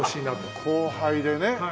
後輩でね。